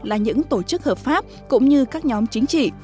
là những tổ chức hợp pháp cũng như các nhóm chính trị